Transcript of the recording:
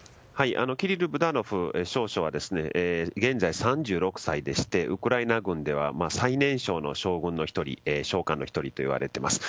ブダノフ氏は現在、３６歳でウクライナ軍では最年少の将官の１人といわれています。